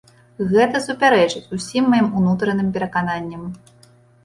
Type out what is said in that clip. Гэта супярэчыць усім маім унутраным перакананням.